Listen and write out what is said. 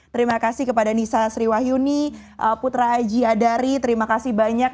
terima kasih kepada nisa sriwayuni putra aji adari terima kasih banyak